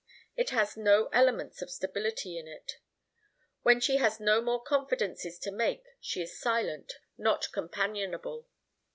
It has no elements of stability in it. When she has no more confidences to make she is silent, not companionable.